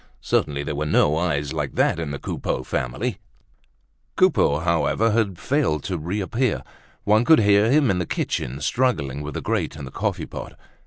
Certainly there were no eyes like that in the Coupeau family. Coupeau, however, had failed to reappear. One could hear him in the kitchen struggling with the grate and the coffee pot.